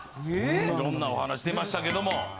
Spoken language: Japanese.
色んなお話出ましたけども。